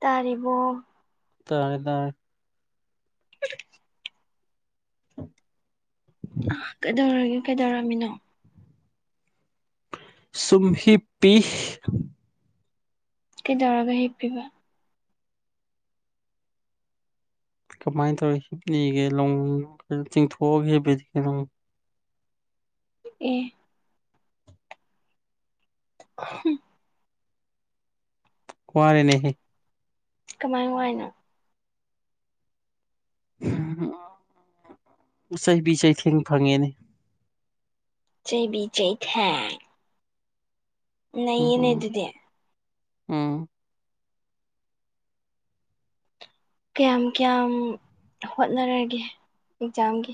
ꯇꯥꯔꯤꯕꯔꫭ ꯇꯥꯔꯦ ꯇꯥꯔꯦ ꯑ ꯀꯩꯗꯧꯔꯒꯦ ꯀꯩꯗꯧꯔꯝꯃꯤꯅꯣ ꯆꯨꯝꯍꯤꯤ ꯄꯤꯁ ꯀꯩꯗꯧꯔꯒ ꯍꯤꯞꯄꯤꯕ ꯀꯃꯥꯏꯅ ꯇꯧꯔꯤ ꯍꯤꯞꯅꯤꯒꯦ ꯂ ꯆꯤꯡꯊꯣꯛꯑꯒꯦꯕꯗꯤ ꯀꯩꯅꯣ ꯑꯦ ꯎ ꯀꯔꯦꯅꯦꯍ ꯀꯃꯥꯏ ꯋꯥꯏꯅꯣ ꯆꯩꯕꯤ ꯆꯩꯊꯦꯡ ꯐꯪꯉꯦꯅꯦ ꯆꯩꯕꯤ ꯆꯩꯩꯊꯦꯡ ꯅꯩꯅꯦ ꯑꯗꯨꯗꯤ ꯑꯝ ꯀꯌꯥꯝ ꯀꯌꯥꯝ ꯍꯣꯠꯅꯔꯒꯦ ꯑꯦꯛꯖꯥꯝꯒꯤ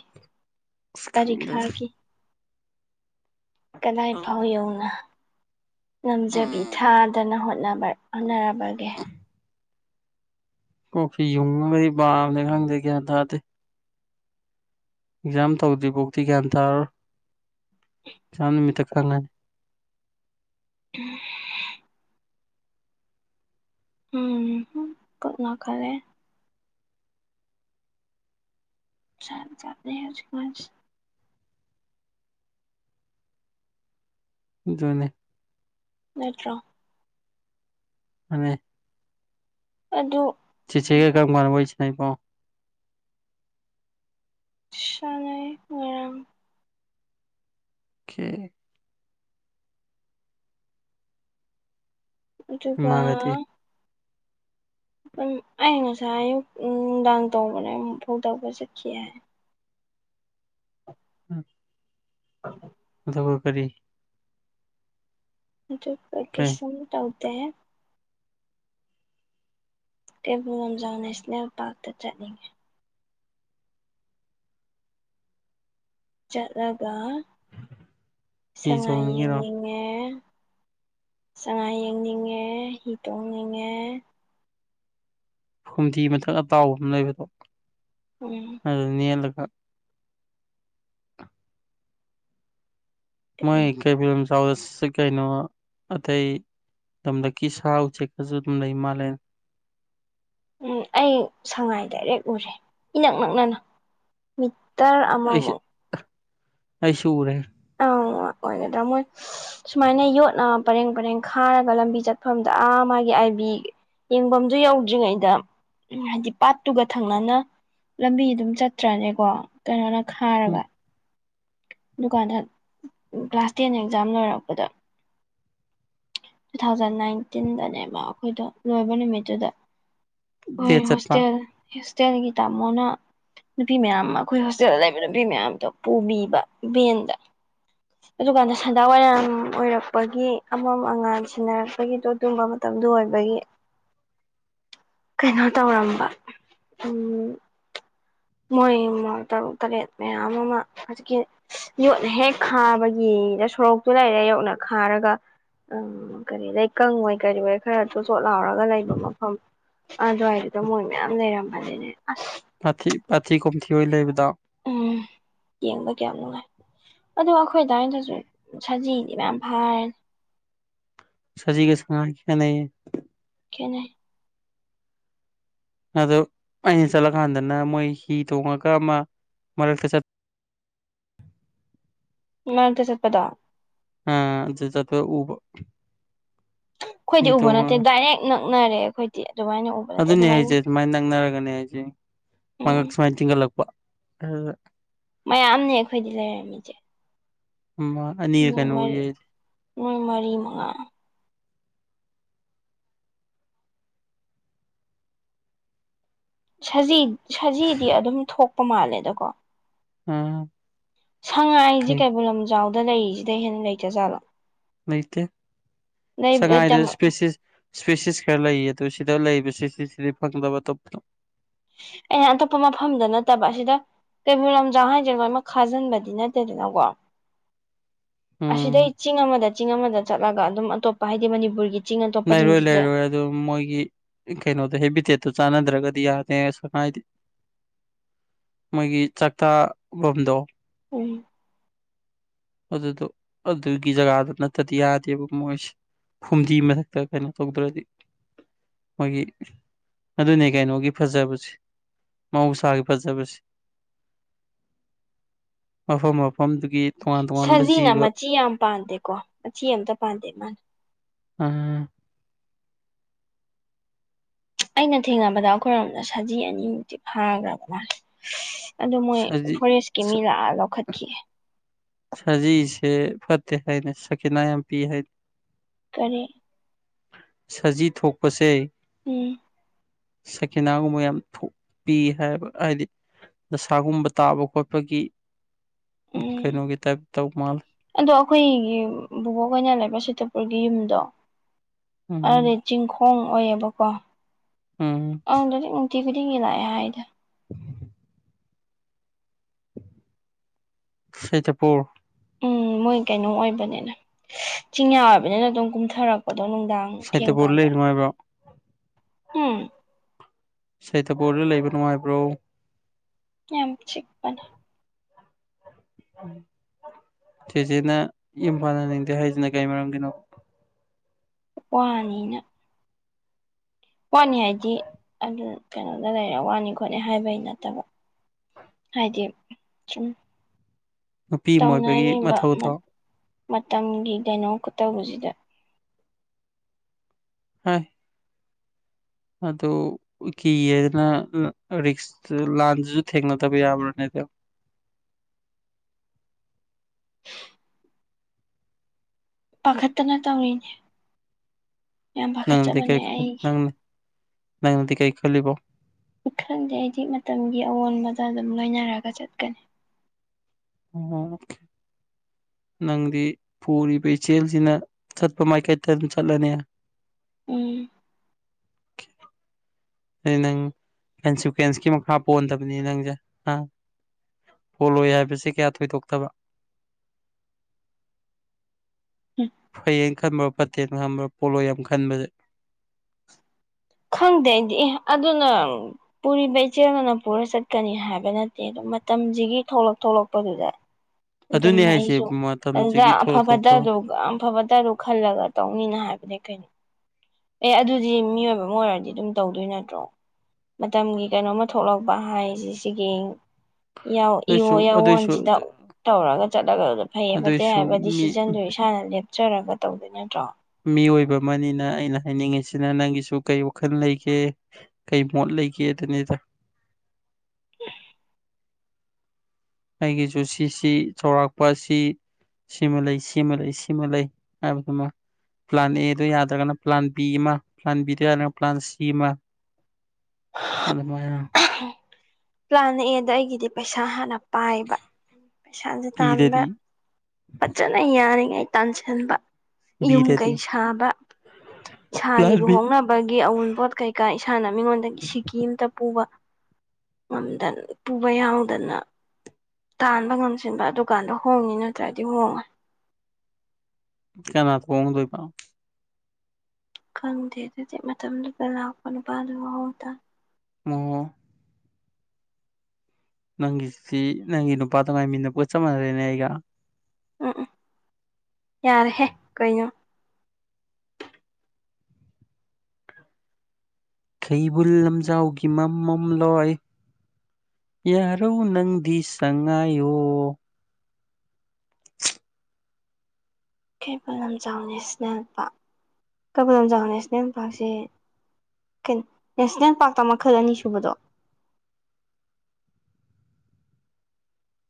ꯑꯁ ꯈꯪꯗꯦꯗ ꯄꯔꯤꯈꯥꯒꯤ ꯀꯗꯥꯏ ꯐꯥꯎ ꯌꯧꯅ ꯉꯝꯖꯕꯤ ꯎꯝ ꯊꯥꯗꯅꯥ ꯍꯣꯠꯅꯔꯕꯒꯦ ꯀꯣꯐꯤ ꯌꯨꯡꯒꯗꯤ ꯄꯥꯝꯅꯦ ꯈꯪꯗꯦ ꯒ꯭ꯌꯥꯟ ꯇꯥꯗꯦ ꯑꯦꯛꯖꯥꯝ ꯇꯧꯗ꯭ꯔꯤꯕꯣꯛꯗꯤ ꯒ꯭ꯌꯥꯟ ꯇꯥꯔꯣ ꯆꯥꯟꯅꯤꯃꯤꯇ ꯀꯂꯅꯤ ꯎꯝ ꯎꯝ ꯈꯔꯦ ꯆꯠ ꯆꯠꯅꯤ ꯍꯧꯖꯤꯛ ꯀꯟꯁꯤ ꯗꯅꯦ ꯅꯦꯠꯇ꯭ꯔꯣ ꯃꯅꯤ ꯑꯗꯨ ꯆꯦ ꯆꯦ ꯒꯥ ꯀꯝꯃꯔ ꯀꯟꯗ ꯋꯥꯔꯤ ꯁꯔꯤꯅꯤ ꯉꯁꯥꯏ ꯉꯔꯥꯡ ꯈꯦ ꯑꯗꯨꯒ ꯏꯃꯥꯒꯗꯤ ꯑꯩ ꯉꯁꯥꯏ ꯑꯌꯨꯛ ꯅꯨꯡꯗꯥꯡ ꯇꯧꯕꯅ ꯑꯃꯨꯛ ꯐꯧꯗꯄ ꯆꯠꯈꯤ ꯍꯥꯏ ꯎꯝ ꯑ ꯊꯕ ꯀꯔꯤ ꯀꯩ ꯄꯀꯦꯁꯟ ꯇꯧꯗꯦ ꯀꯩꯕꯨꯜ ꯂꯝꯖꯥꯎ ꯅꯦꯁꯅꯦꯜ ꯄꯥꯔꯛꯇ ꯆꯠꯅꯤꯡꯉꯤ ꯆꯠꯂꯒ ꯍꯤ ꯁꯉꯥꯏ ꯆꯣꯡꯅꯤꯡꯉꯤꯔꯣ ꯌꯦꯡꯅꯤꯡꯉꯦ ꯁꯉꯥꯏ ꯌꯦꯡꯅꯤꯡꯉꯦ ꯍꯤ ꯇꯣꯡꯅꯤꯡꯉꯦ ꯐꯨꯝꯗꯤ ꯃꯊꯛ ꯑꯇꯥꯎꯕ ꯑꯃ ꯂꯩꯕꯗꯣ ꯎꯝ ꯑꯗꯨ ꯅꯦꯜꯂꯒ ꯃꯣꯏ ꯀꯩ ꯐꯤꯕꯝ ꯆꯥꯎ ꯀꯩꯅꯣ ꯑꯇꯩ ꯇꯗ ꯀꯤꯁꯥꯥꯎꯁꯦ ꯀꯁꯨ ꯇꯗ ꯍꯤꯃꯂꯌꯥꯟ ꯎꯝ ꯑꯩ ꯁꯉꯥꯏ ꯗꯥꯏꯔꯦꯛ ꯎꯔꯦ ꯏꯅꯛ ꯅꯛꯅꯅ ꯃꯤ ꯇꯔ ꯑꯃꯣ ꯑꯩꯁꯨ ꯑꯃꯛ ꯑꯩꯁꯨ ꯎꯔꯦ ꯑꯪ ꯑꯣꯏꯒꯗ꯭ꯔꯥ ꯃꯣꯏ ꯁꯨꯃꯥꯏꯅ ꯌꯣꯠꯅ ꯄꯔꯦꯡ ꯄꯔꯦꯡ ꯈꯥꯔꯒ ꯂꯝꯕꯤ ꯆꯠꯐꯝꯗ ꯑꯥ ꯃꯥꯒꯤ ꯑꯥꯏꯕꯤ ꯌꯦꯡꯐꯝꯁꯨ ꯌꯧꯗ꯭ꯔꯤꯉꯩꯗ ꯎꯝ ꯍꯥꯏꯗꯤ ꯄꯥꯠꯇꯨꯒ ꯊꯪꯅꯅ ꯂꯝꯕꯤ ꯑꯗꯨꯝ ꯆꯠꯇ꯭ꯔꯅꯤꯀꯣ ꯀꯩꯅꯣꯅ ꯈꯥꯔꯋꯥ ꯗꯨꯀꯥꯟꯗ ꯀ꯭ꯂꯥꯁ ꯇꯦꯟ ꯑꯦꯛꯖꯥꯝ ꯂꯣꯏꯔꯛꯄꯗ ꯇꯨ ꯊꯥꯎꯖꯟ ꯅꯥꯏꯟꯇꯤꯟꯗꯅꯦꯕ ꯑꯩꯈꯣꯏꯗ ꯂꯣꯏꯕ ꯅꯨꯃꯤꯠꯇꯨꯗ ꯗꯦꯠ ꯍꯣꯏ ꯆꯠꯄ ꯍꯣꯁꯇꯦꯜ ꯍꯣꯁꯇꯦꯜꯒꯤ ꯇꯥꯃꯣꯅ ꯅꯨꯄꯤ ꯃꯌꯥꯝ ꯑꯩꯈꯣꯏ ꯍꯣꯁꯇꯦꯜꯗ ꯂꯩꯕ ꯅꯨꯄꯤ ꯃꯌꯥꯝꯗꯣ ꯄꯨꯕꯤ ꯚꯟꯗꯥ ꯑꯗꯨꯀꯥꯟꯗ ꯁꯟꯗꯥ ꯋꯥꯏꯔꯝ ꯑꯣꯏꯔꯛꯄꯒꯤ ꯑꯃꯝ ꯑꯉꯥꯟ ꯁꯤꯦꯟꯅꯔꯛꯄꯒꯤꯗꯣ ꯑꯗꯨꯝꯕ ꯃꯇꯝꯗ ꯑꯗꯨ ꯑꯣꯏꯕꯒꯤ ꯀꯩꯅꯣ ꯇꯧꯔꯝꯕ ꯎꯝ ꯃꯣꯏ ꯃ ꯇꯔꯨꯛ ꯇꯔꯦꯠ ꯃꯌꯥꯝ ꯑꯃ ꯍꯧꯖꯤꯛꯀꯤ ꯌꯣꯠ ꯍꯦꯛ ꯈꯥꯕꯒꯤ ꯗ ꯁꯣꯔꯣꯛꯇꯨ ꯂꯩꯔ ꯌꯧꯅ ꯈꯥꯔꯒ ꯎꯝ ꯀꯔꯤ ꯂꯩꯀꯪꯉꯣꯏ ꯀꯔꯤ ꯑꯣꯏ ꯈꯔꯁꯨ ꯁꯣ ꯂꯥꯎꯔꯒ ꯂꯩꯕ ꯃꯐꯝ ꯑꯗꯨꯋꯥꯏꯗꯨꯗ ꯃꯣꯏ ꯃꯌꯥꯝ ꯂꯩꯔꯝꯕꯅꯤꯅꯦ ꯑꯁ ꯄꯥꯊꯤ ꯄꯥꯊꯤ ꯀꯨꯝꯊꯤ ꯑꯣꯏꯅ ꯂꯩꯕꯗ ꯎꯝ ꯌꯦꯡꯕ ꯀꯌꯥꯝ ꯅꯨꯡꯉꯥꯏ ꯑꯗꯨ ꯑꯩꯈꯣꯏ ꯑꯗꯨꯗꯥꯏꯗꯁꯨ ꯁꯖꯤꯗꯤ ꯃꯌꯥꯝ ꯐꯥꯔꯦꯅꯤ ꯁꯖꯤ ꯀ ꯁꯉ ꯀꯌꯥ ꯅ ꯏꯅꯦ ꯑꯗꯣ ꯑꯩꯅ ꯆꯠꯂꯀꯥꯟꯗꯅ ꯃꯣꯏ ꯍꯤ ꯇꯣꯡꯉꯒ ꯑꯃ ꯃꯔꯛꯇ ꯆꯠ ꯉ ꯀꯖꯄꯗꯥꯥ ꯑ ꯆ ꯎꯕ ꯍꯤ ꯑꯩꯈꯣꯏꯗꯤ ꯎꯕ ꯅꯠꯇꯦ ꯇꯣꯡꯉꯒ ꯗꯥꯏꯔꯦꯛ ꯅꯛꯅꯔꯦ ꯑꯩꯈꯣꯏꯗꯤ ꯑꯗꯨꯃꯥꯏꯅ ꯎꯕ ꯅꯠꯇꯦ ꯑꯗꯨꯅꯦ ꯑꯗꯨꯃꯥꯏꯅ ꯍꯥꯏꯁꯦ ꯁꯨꯃꯥꯏꯅ ꯅꯪꯅꯔꯒꯅꯦ ꯍꯥꯏꯁꯦ ꯃꯥꯍꯛ ꯎꯝ ꯁꯨꯃꯥꯏꯅ ꯊꯤꯡꯒꯠꯂꯛꯄ ꯑ ꯃꯌꯥꯝꯅꯦ ꯑꯩꯈꯣꯏꯗꯤ ꯂꯩꯔꯝꯃꯤꯁꯦ ꯑꯃ ꯑꯅꯤꯔ ꯅꯣꯏ ꯀꯩꯅꯣ ꯎꯏ ꯃꯔꯤ ꯑꯩꯗꯤ ꯅꯣꯏ ꯃꯔꯤ ꯃꯉꯥ ꯁꯖꯤ ꯁꯖꯤꯗꯤ ꯑꯗꯨꯝ ꯊꯣꯛꯄ ꯃꯥꯜꯂꯦꯗꯀꯣ ꯑ ꯁꯉꯥꯏꯁꯦ ꯀꯩꯕꯨꯜ ꯂꯝꯖꯥꯎꯗ ꯂꯩꯔꯤꯁꯤꯗ ꯍꯦꯟꯅ ꯂꯩꯇ ꯖꯥꯠꯂꯣ ꯂꯩꯇꯦ ꯁꯉꯥꯏꯗ ꯏꯁꯄꯦꯁꯤꯁ ꯏꯁꯄꯤꯦꯁꯤꯁ ꯈꯔ ꯂꯩꯌꯦ ꯑꯗꯨ ꯁꯤꯗ ꯂꯩꯕꯕꯁꯤ ꯁꯤ ꯁꯤꯗꯤ ꯐꯪꯗꯕ ꯑꯇꯣꯞꯄ ꯑꯩꯅ ꯑꯇꯣꯞꯄ ꯃꯐꯝꯗ ꯅꯠꯇꯕ ꯑꯁꯤꯗ ꯀꯩꯕꯨꯜ ꯂꯝꯖꯥꯎ ꯍꯥꯏꯁ꯭ꯔꯦ ꯂꯣꯏꯃꯛ ꯈꯥꯖꯤꯟꯕꯗꯤ ꯅꯠꯇꯦꯗꯅꯀꯣ ꯑꯁꯤꯗꯩ ꯎꯝ ꯆꯤꯡ ꯑꯃꯗ ꯆꯤꯡ ꯑꯃꯗ ꯆꯠꯂꯒ ꯑꯗꯨꯝ ꯑꯇꯣꯞꯄ ꯍꯥꯏꯗꯤ ꯃꯅꯤꯄꯨꯔꯒꯤ ꯆꯤꯡ ꯂꯩꯔꯣꯏ ꯑꯇꯣꯞꯄꯁꯤꯡꯁꯤꯗ ꯂꯩꯔꯣꯏ ꯑꯗꯨ ꯃꯣꯏꯒꯤ ꯀꯩꯅꯣꯗꯣ ꯍꯦꯕꯤꯇꯦꯠꯇꯣ ꯆꯥꯟꯅꯗ꯭ꯔꯒꯗꯤ ꯗꯤ ꯌꯥꯗ ꯁꯉꯥꯏ ꯃꯣꯏꯒꯤ ꯆꯥꯛꯇꯥꯕꯝꯗꯣ ꯎꯝ ꯑꯗꯨꯗꯣ ꯑꯗꯨꯒꯤ ꯖꯒꯥꯗꯨ ꯅꯠꯇꯗꯤ ꯌꯥꯗꯦꯕ ꯃꯣꯏꯁꯦ ꯐꯨꯝꯗꯤ ꯃꯛ ꯀꯩꯅꯣ ꯇꯧꯗ꯭ꯔꯗꯤ ꯃꯣꯏꯒꯤ ꯑꯗꯨꯅꯦ ꯀꯩꯅꯣꯒꯤ ꯐꯖꯕꯁꯦ ꯃꯍꯧꯁꯥꯒꯤ ꯐꯖꯕꯁꯦ [inaudible] ꯃꯐꯝ ꯃꯐꯝꯐꯝꯗꯨ ꯁꯖꯤꯅ ꯃꯆꯤ ꯌꯥꯝ ꯄꯥꯟꯗꯦꯀꯣ ꯃꯆꯤ ꯑꯇ ꯄꯥꯟꯗꯦ ꯏ ꯃꯥꯅ ꯑꯝ ꯑꯩꯅ ꯊꯦꯡꯅꯕꯗ ꯑꯩꯈꯣꯏꯔꯣꯝꯗ ꯁꯖꯤ ꯑꯅꯤꯃꯨꯛꯇꯤ ꯐꯥꯈ꯭ꯔꯕ ꯃꯥ ꯑ ꯃꯣꯏ ꯁꯖꯤ ꯐꯣꯔꯦꯁꯀꯤ ꯃꯤ ꯂꯥꯛꯑ ꯂꯧꯈꯠꯈꯤꯑ ꯁꯖꯤꯁꯦ ꯐꯠꯇꯦ ꯍꯥꯏꯅ ꯁꯀꯤꯅꯥ ꯌꯥꯝ ꯄꯤ ꯍꯥꯏꯅꯤ ꯀꯔꯤ ꯁꯖꯤ ꯊꯣꯛꯄꯁꯦ ꯎꯝ ꯁꯀꯤꯅꯥꯒꯨꯝꯕ ꯌꯥꯝ ꯊꯣꯛꯄꯤ ꯍꯥꯏꯕ ꯍꯥꯏꯗꯤ ꯗꯁꯥꯒꯨꯝꯕ ꯇꯥꯕ ꯈꯣꯠꯄꯒꯤ ꯎꯝ ꯀꯩꯅꯣꯒꯤ ꯇꯥꯏꯞ ꯇꯧ ꯃꯥꯜꯂꯦ ꯑꯗꯣ ꯑꯩꯈꯣꯏꯒꯤ ꯕꯣꯕꯣꯛ ꯑꯣꯏꯅ ꯂꯩꯕ ꯁꯤꯇꯄꯨꯔꯒꯤ ꯌꯨꯝꯗꯣ ꯑꯗꯨꯗꯤ ꯎꯝ ꯆꯤꯡꯈꯣꯡ ꯑꯣꯏꯌꯦꯕꯀꯣ ꯎꯝ ꯑꯗꯨꯗꯗꯤ ꯤꯗꯤꯉꯔ ꯑꯗ ꯁꯤꯇꯄꯨꯔ ꯎꯝ ꯃꯣꯏ ꯀꯩꯅꯣ ꯑꯣꯏꯕꯅꯤꯅ ꯆꯤꯡꯌꯥ ꯑꯣꯏꯕꯅꯤꯅ ꯑꯗꯨꯝ ꯀꯨꯝꯊꯔꯛꯄ ꯄꯗꯣ ꯅꯨꯡꯗꯥꯡ ꯁꯩꯇꯄꯨꯔꯗ ꯊꯦꯡꯀꯥꯟꯗ ꯂꯩ ꯅꯨꯡꯉꯥꯏꯕ꯭ꯔꯣ ꯍꯝ ꯁꯇꯕꯗ ꯂꯩꯕ ꯅꯨꯡꯉꯥꯏꯕ꯭ꯔꯣ ꯌꯥꯝ ꯆꯛꯄꯅꯦ ꯎꯝ ꯆꯦꯆꯦꯅ ꯏ ꯄꯥꯟꯅꯅꯤꯡꯗꯦ ꯍꯥꯏꯁꯤꯅ ꯀꯩ ꯃꯔꯝꯒꯤꯅꯣ ꯋꯥꯅꯤꯅ ꯋꯥꯅꯤ ꯍꯥꯏꯗꯤ ꯑꯗꯨ ꯀꯩꯅꯣꯗ ꯂꯩꯔꯦ ꯋꯥꯅꯤ ꯈꯣꯠꯅꯤ ꯍꯥꯏꯕꯩ ꯅꯠꯇꯕ ꯍꯥꯏꯗꯤ ꯁꯨꯝ ꯅꯨꯄꯤ ꯑꯃ ꯑꯣꯏꯕꯒꯤ ꯇꯧꯅꯔꯤꯕ ꯃꯊꯧꯗꯣ ꯃꯇꯝꯒꯤ ꯀꯩꯅꯣ ꯈꯨꯠꯇ ꯍꯧꯖꯤꯗ ꯍꯥ ꯑꯗꯨ ꯀꯤꯌꯦꯗꯅ ꯔꯤꯛꯁ ꯂꯥꯟꯁꯤꯁꯨ ꯊꯦꯡꯅꯗꯕ ꯌꯥꯕ꯭ꯔꯥꯅꯦꯗ [inaudible] ꯄꯈꯠꯇꯅ ꯇꯧꯔꯤꯅꯦ ꯌꯥꯝ ꯅꯗꯤ ꯀꯥꯏ ꯄꯥꯈꯠꯆꯕꯅꯦ ꯑꯩꯒꯤ ꯅꯪ ꯅꯗꯤ ꯀꯥꯏ ꯈꯂꯕ ꯈꯪꯗꯦ ꯑꯩꯗꯤ ꯃꯇꯝꯒꯤ ꯑꯑꯣꯟꯕꯗ ꯑꯗꯨꯝ ꯂꯣꯏꯅꯔꯒ ꯆꯠꯀꯅꯤ ꯎꯝ ꯅꯪꯗꯤ ꯄꯨꯔꯤꯕ ꯏꯆꯦꯜꯁꯤꯅ ꯆꯠꯄ ꯃꯥꯏꯀꯩꯗ ꯑꯗꯨꯝ ꯆꯠꯂꯅꯤ ꯎꯝ ꯑ ꯅꯪ ꯏꯟꯁꯤꯀ꯭ꯋꯦꯟꯁꯀꯤ ꯃꯈꯥ ꯄꯣꯟꯗꯕꯅꯤ ꯅꯪꯁꯦ ꯑ ꯄꯣꯂꯣꯏ ꯍꯥꯏꯕꯁꯤ ꯀꯌꯥ ꯊꯣꯏꯗꯣꯛꯇꯕ [inaudible] ꯐꯌꯦꯡ ꯈꯟꯕ꯭ꯔꯥ ꯐꯠꯇꯦꯜꯅ ꯈꯟꯕ꯭ꯔꯣ ꯄꯣꯂꯣ ꯌꯥꯝ ꯈꯟꯕꯁꯦ ꯈꯪꯗꯦ ꯑꯩꯗꯤ ꯑꯦ ꯑꯗꯨꯅ ꯄꯨꯔꯤꯕ ꯏꯆꯦꯜꯅꯅ ꯄꯨꯔ ꯆꯠꯀꯅꯤ ꯍꯥꯏꯕ ꯅꯠꯇꯦ ꯑꯗꯨꯝ ꯃꯇꯝꯁꯤꯒꯤ ꯊꯣꯛꯂꯛ ꯊꯣꯛꯂꯛꯄꯗꯨꯗ ꯑꯗꯨꯝ ꯑꯗꯨꯅꯤ ꯍꯥꯏꯁꯦ ꯑꯩꯁꯨ ꯑꯗꯨꯗ ꯃꯇꯝꯁꯤꯒꯤ ꯊꯣꯛꯂꯛ ꯑꯐꯕꯗ ꯊꯣꯛꯄ ꯑꯗꯨ ꯑꯐꯕ ꯇꯔꯨꯛ ꯈꯜꯂꯒ ꯇꯧꯅꯤꯅ ꯍꯥꯏꯕꯅꯦ ꯀꯩꯅꯣ ꯑꯦ ꯑꯗꯨꯗꯤ ꯃꯤꯑꯣꯏꯕ ꯑꯃ ꯑꯣꯏꯔꯗꯤ ꯑꯗꯨꯝ ꯇꯧꯗꯣꯏ ꯅꯠꯇ꯭ꯔꯣ ꯃꯇꯝꯒꯤ ꯀꯩꯅꯣꯝꯃ ꯊꯣꯛꯂꯛꯄ ꯍꯥꯏꯁꯤ ꯁꯤꯒꯤ ꯌꯥꯎ ꯏꯣ ꯑꯗꯨꯏꯁꯨ ꯌꯥꯎꯣ ꯑꯗꯨꯏꯁꯨ ꯑꯟꯖꯗ ꯇꯧꯔꯒ ꯆꯠꯂꯒ ꯑꯗꯨꯗ ꯐꯩꯌꯦ ꯐꯠꯇꯦ ꯑꯗꯨꯏꯁꯨ ꯍꯥꯏꯕ ꯃꯤ ꯗꯤꯁꯤꯖꯟꯗꯨ ꯏꯁꯥꯅ ꯂꯦꯞꯆꯔꯒ ꯇꯧꯗꯣꯏ ꯅꯠꯇ꯭ꯔꯣ ꯃꯤꯑꯣꯏꯕ ꯑꯃꯅꯤꯅ ꯑꯩꯅ ꯍꯥꯏꯅꯤꯡꯉꯤꯁꯤꯅ ꯅꯪꯒꯤꯁꯨ ꯀꯩ ꯋꯥꯈꯜ ꯂꯩꯒꯦ ꯀꯩ ꯃꯣꯠ ꯂꯩ ꯀꯌꯦꯗꯅꯤꯗ ꯍ ꯑꯩꯒꯤꯁꯨ ꯁꯤꯁꯤ ꯆꯥꯎꯔꯥꯛꯄ ꯑꯁꯤ ꯁꯤꯃ ꯂꯩ ꯁꯤꯃ ꯂꯩ ꯁꯤꯃ ꯂꯩ ꯍꯥꯏꯕꯗꯨꯃ ꯄ꯭ꯂꯥꯟ ꯑꯦꯗꯨ ꯌꯥꯗ꯭ꯔꯒꯅ ꯄ꯭ꯂꯥꯟ ꯕꯤ ꯑꯃ ꯄ꯭ꯂꯥꯟ ꯕꯤꯗꯨ ꯌꯥꯗ꯭ꯔꯒꯅ ꯄ꯭ꯂꯥꯟ ꯁꯤ ꯑꯃ ꯑꯗꯨꯃꯥꯢꯅ [inaudible] ꯄ꯭ꯂꯥꯟ ꯅꯛꯑꯦꯗ ꯑꯩꯒꯤꯗꯤ ꯄꯩꯁꯥ ꯍꯥꯟꯅ ꯄꯥꯏꯕ ꯄꯩꯁꯥꯁꯦ ꯇꯥꯟꯕ ꯄꯤꯗꯗꯤ ꯐꯖꯅ ꯌꯥꯔꯤꯉꯩ ꯇꯥꯟꯁꯤꯟꯕ ꯌꯨꯝ ꯕꯤꯗꯗꯤ ꯀꯩ ꯁꯥꯕ ꯏꯁꯥꯒꯤ ꯄ꯭ꯂꯥꯟ ꯕꯤ ꯂꯨꯍꯣꯡꯅꯕꯒꯤ ꯑꯎꯟꯄꯣꯠ ꯀꯩꯀꯥ ꯏꯁꯥꯅ ꯃꯤꯉꯣꯟꯗꯒꯤ ꯁꯤꯀꯤ ꯑꯃꯇ ꯄꯨꯕ ꯉꯝꯗꯅ ꯄꯨꯕ ꯌꯥꯎꯗꯅ ꯇꯥꯟꯕ ꯉꯝꯁꯤꯟꯕ ꯑꯗꯨꯀꯥꯟꯗꯥ ꯍꯣꯡꯅꯤ ꯅꯠꯇ꯭ꯔꯗꯤ ꯍꯣꯡꯉꯣꯏ ꯀꯅꯥ ꯍꯣꯡꯗꯣꯏꯕ ꯈꯪꯗꯦ ꯑꯗꯨꯗꯤ ꯃꯇꯝꯗꯨꯗ ꯂꯥꯛꯄ ꯅꯨ ꯄꯥꯜꯂꯨꯍꯧꯗ ꯑꯣ ꯅꯪꯒꯤ ꯁꯤ ꯅꯪꯒꯤ ꯅꯨꯄꯥꯗꯨ ꯉꯥꯏꯃꯤꯟꯅꯕꯒ ꯆꯞ ꯃꯥꯅꯔꯦꯅꯦ ꯑꯩꯒ ꯎꯝ ꯎꯝ ꯌꯥꯔꯦꯍꯦ ꯀꯩꯅꯣ ꯈꯩꯕꯨꯜ ꯂꯝꯖꯥꯎꯒꯤ ꯃꯝꯃꯝꯂꯣꯏ ꯌꯥꯔꯣ ꯅꯪꯗꯤ ꯁꯉꯥꯏꯌꯣ [inaudible] ꯀꯩꯕꯨꯜ Lamjao national park Keibul Lamjao national ꯄꯥꯛꯁꯦ ꯅꯦꯁꯅꯦꯜ ꯄꯥꯔꯛꯇ ꯃꯈꯜ ꯑꯅꯤ ꯁꯨꯕꯗꯣ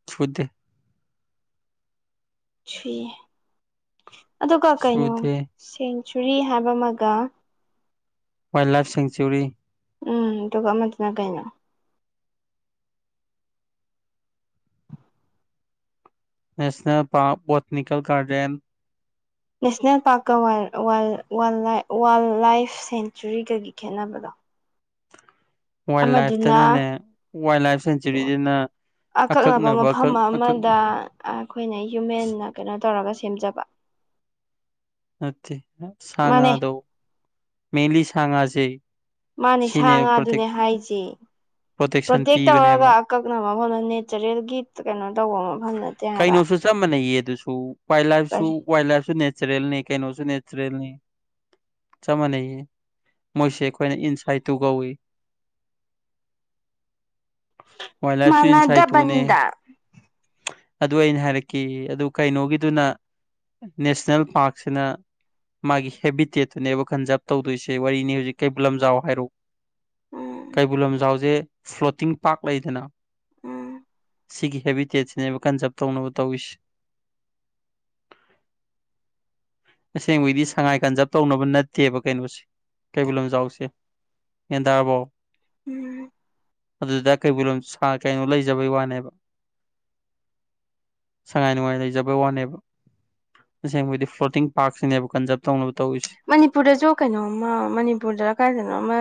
ꯁꯨꯗꯦ ꯁꯨꯢꯌꯦ ꯑꯗꯨꯒ ꯀꯩꯅꯣ ꯁꯨꯗꯦ ꯁꯦꯡ ꯆꯨꯔꯤ ꯍꯥꯏꯕ ꯑꯃꯒ ꯋꯥꯏꯜ ꯂꯥꯏꯐ ꯁꯦꯡꯆꯨꯔꯤ ꯎꯝ ꯑꯗꯨꯒ ꯑꯃꯗꯨꯅ ꯀꯩꯅꯣ national park botanical garden national park wild wild wildlife ꯁꯦꯡꯆꯨꯔꯤꯒꯒꯤ ꯈꯦꯠꯅꯕꯗꯣ ꯋꯥꯏꯜ ꯂꯥꯏꯐꯇꯅꯅꯦ ꯑꯃꯗꯨꯅ ꯋꯥꯏꯜ ꯂꯥꯏꯐ ꯁꯦꯡꯆꯨꯔꯤꯁꯤꯅ ꯑꯀꯛꯅꯕ ꯃꯐꯝ ꯑꯀꯛ ꯑꯀꯛ ꯑꯃꯗ ꯑꯩꯈꯣꯏꯅ ꯍ꯭ꯌꯨꯃꯦꯟꯅ ꯀꯩꯅꯣ ꯇꯧꯔꯒ ꯁꯦꯝꯖꯕ ꯃꯥꯅꯦ ꯁꯥꯉꯥꯗꯣ ꯃꯦꯟꯂꯤ ꯁꯥꯉꯥꯁꯦ ꯃꯥꯅꯦ ꯁꯥ ꯉꯥꯗꯨꯅꯦ ꯍꯥꯏꯖꯦ ꯄ꯭ꯔꯣꯇꯦꯛꯁꯟ ꯄ꯭ꯔꯣꯇꯦꯛ ꯇꯧꯔꯒ ꯄꯤꯕꯅꯦꯕ ꯑꯀꯛꯅꯕ ꯃꯐꯝꯗ ꯅꯦꯆꯔꯦꯜꯒꯤ ꯀꯩꯅꯣ ꯇꯧꯕ ꯃꯐꯝ ꯅꯠꯇꯦ ꯍꯥꯏꯕ ꯀꯩꯅꯣꯁꯨ ꯆꯞ ꯃꯥꯟꯅꯩꯌꯦ ꯑꯗꯨꯁꯨ ꯋꯥꯏꯜ ꯂꯥꯏꯐꯁꯨ ꯀꯔꯤ ꯋꯥꯏꯜ ꯂꯥꯏꯐꯁꯨ ꯅꯦꯆꯔꯦꯜꯅꯤ ꯀꯩꯅꯣꯁꯨ ꯅꯦꯆꯔꯦꯜꯅꯤ ꯆꯞ ꯃꯥꯟꯅꯩꯌꯦ ꯃꯣꯏꯁꯦ ꯑꯩꯈꯣꯏꯅ ꯏꯟꯁꯥꯏꯠꯇꯨ ꯀꯧꯏꯤ [unintelligible] ꯋꯥꯏꯜ ꯂꯥꯏꯐꯁꯨ ꯏꯟꯁꯥꯏꯠ ꯇꯨꯅꯦ ꯃꯥꯅꯗꯕꯅꯤꯗꯥ ꯑꯗꯨ ꯑꯩꯅ ꯍꯥꯏꯔꯛꯈꯤ ꯑꯗꯨ ꯀꯩꯅꯣꯒꯤꯗꯨꯅ ꯅꯦꯁꯅꯦꯜ ꯄꯥꯛꯁꯤꯅ ꯃꯥꯒꯤ ꯍꯦꯕꯤꯇꯦꯠꯇꯨꯅꯦꯕ ꯈꯟꯖꯥꯕ ꯇꯧꯗꯣꯏꯁꯦ ꯋꯥꯔꯤꯅꯤ ꯍꯧꯖꯤꯛ ꯀꯩꯕꯨꯜ ꯂꯝꯖꯥꯎ ꯍꯥꯏꯔꯣ ꯎꯝ ꯀꯩꯕꯨꯜ ꯂꯝꯖꯥꯎꯁꯦ ꯐ꯭ꯂꯣꯇꯤꯡ ꯄꯥꯛ ꯂꯩꯗꯅ ꯎꯝ ꯁꯤꯒꯤ ꯍꯦꯕꯤꯇꯦꯠꯁꯤꯅꯦꯕ ꯀꯟꯖꯥꯔꯕ ꯇꯧꯅꯕ ꯇꯧꯔꯤꯁꯤ ꯑꯁꯦꯡꯕꯩꯗꯤ ꯁꯉꯥꯏ ꯀꯟꯖꯥꯕ ꯇꯧꯅꯕ ꯅꯠꯇꯦ ꯇꯦꯕ ꯀꯩꯅꯣꯁꯦ ꯀꯩꯕꯨꯜ ꯂꯝꯖꯥꯎꯁꯦ ꯒ꯭ꯌꯥꯟ ꯇꯥꯔꯕꯣ ꯎꯝ ꯑꯗꯨꯗ ꯀꯩꯕꯨꯜ ꯁꯥ ꯀꯩꯅꯣ ꯂꯩꯖꯕꯩ ꯋꯥꯅꯦꯕ ꯁꯉꯥꯏ ꯅꯨꯡꯉꯥꯏ ꯂꯩꯖꯕꯩ ꯋꯥꯅꯦꯕ ꯑꯁꯦꯡꯕꯗꯤ ꯐ꯭ꯂꯣꯇꯤꯡ ꯄꯥꯔꯛꯁꯤꯅꯦꯕ ꯀꯟꯖꯥꯔꯕ ꯇꯧꯅꯕ ꯇꯧꯔꯤꯁꯤꯦ ꯃꯅꯤꯄꯨꯔꯗꯁꯨ ꯀꯩꯅꯣꯝꯃ ꯃꯅꯤꯄꯨꯔꯗ ꯀꯥꯏꯗꯅꯣ ꯑꯃ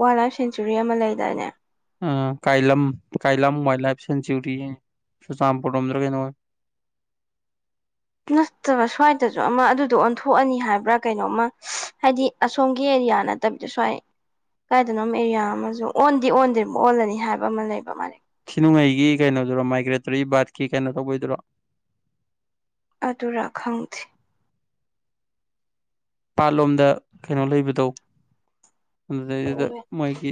ꯋꯥꯏꯜ ꯂꯥꯏꯐ ꯁꯦꯡꯆꯨꯔꯤ ꯑꯃ ꯂꯩꯗꯥꯏꯅꯦ Kailam Kailam wildlife sanctuary Churachandpur ꯂꯣꯝꯗ꯭ꯔ ꯀꯩꯅꯣ ꯑꯣꯏ [unintelligible] ꯅꯠꯇꯕ ꯁ꯭ꯋꯥꯏꯗꯁꯨ ꯑꯃ ꯑꯗꯨꯗꯣ ꯑꯣꯟꯊꯣꯛꯑꯅꯤ ꯍꯥꯏꯕ꯭ꯔꯥ ꯀꯩꯅꯣꯝꯃ ꯍꯥꯏꯗꯤ ꯑꯁꯣꯝꯒꯤ ꯌꯥꯅ ꯇ ꯄꯗꯁꯋꯥ ꯀꯥꯏꯗꯅꯣ ꯑꯦꯔꯤꯌꯥ ꯑꯃꯁꯨ ꯑꯣꯟꯗꯤ ꯑꯣꯟꯗ꯭ꯔꯤ ꯑꯣꯜꯂꯅꯤ ꯍꯥꯏꯕ ꯑꯃ ꯂꯩꯕ ꯃꯥ ꯁꯤꯅꯨꯡꯉꯩꯒꯤ ꯀꯩꯅꯣꯗꯨꯔꯣ ꯃꯥꯏꯒ꯭ꯔꯦꯇꯣꯔꯤ ꯕꯥꯔꯠꯀꯤ ꯀꯩꯅꯣ ꯇꯧꯕꯩꯗꯨꯔꯣ ꯑꯗꯨ ꯔꯈꯁꯤꯤ ꯄꯥꯠꯂꯣꯝꯗ ꯀꯩꯅꯣ ꯂꯩꯕꯗꯧ ꯑꯗꯨꯗꯩꯗꯨꯗ ꯃꯣꯏꯒꯤ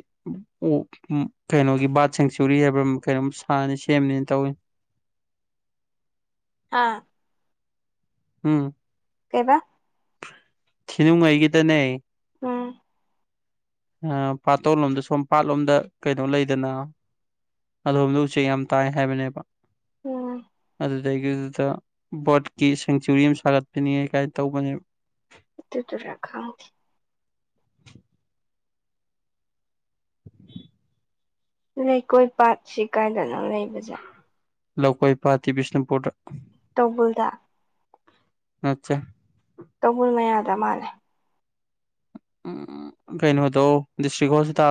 ꯀꯩꯅꯣꯒꯤ ꯕꯥꯔꯠ ꯁꯦꯡꯆꯨꯔꯤ ꯍꯥꯏꯕ꯭ꯔ ꯀꯩꯅꯣꯝ ꯁꯥꯅꯤ ꯁꯦꯝꯅꯤꯅ ꯇꯧꯏ ꯍꯥꯥ ꯎꯝ ꯀꯩꯕ ꯊꯤꯅꯨꯡꯉꯩꯒꯤꯗꯅꯦ ꯎꯝ ꯄꯥꯇꯣꯟ ꯂꯣꯝꯗ ꯁꯣꯝ ꯄꯥꯠꯂꯣꯝꯗ ꯀꯩꯅꯣ ꯂꯩꯗꯅ ꯑꯗꯣꯝꯗ ꯎꯆꯦꯛ ꯌꯥꯝ ꯇꯥꯏ ꯍꯥꯏꯕꯅꯦꯕ ꯎꯝ ꯑꯗꯨꯗꯒꯤꯗꯨꯗ ꯕꯣꯠꯀꯤ ꯁꯦꯡꯆꯨꯔꯤ ꯑꯃ ꯁꯥꯒꯠꯄꯅꯤ ꯀꯥꯏꯅ ꯇꯧꯕꯅꯦ ꯑꯗꯨꯏꯗꯨꯔꯥ ꯈꯪꯗꯦ [unintelligible] [unintelligible] ꯂꯩꯀꯣꯏ ꯄꯥꯠ ꯁꯤ ꯀꯥꯏꯗꯅ ꯂꯩꯕꯁꯦ ꯂꯧꯀꯣꯏ ꯏꯄꯥꯥꯇꯤ ꯕꯤꯁꯅꯨꯄꯨꯔꯗ ꯇꯧꯕꯜꯗ ꯑꯆꯥ ꯇꯧꯕꯨꯜ ꯃꯌꯥꯗ ꯃꯥꯜꯂꯦ ꯎꯝ ꯀꯩꯩꯅꯣ ꯇꯣ ꯗꯤꯁꯇ꯭ ꯍꯣꯁꯄꯤꯇꯥꯜ